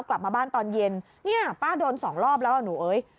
กลับมาบ้านตอนเย็นเนี่ยป้าโดนสองรอบแล้วอ่ะหนูเอ้ย